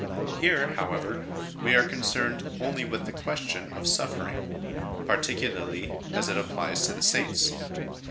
Here, however, we are concerned only with the question of suffer ing, particularly as it applies to the Saints.